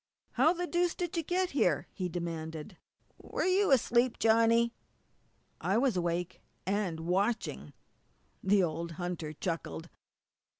"How the deuce did you get here?" he demanded. "Were you asleep, Johnny?" "I was awake and watching!" The old hunter chuckled.